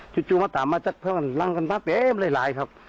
จุดจู่มาตามมาเพราะว่ารั่งตามมาเต็มละลายครับ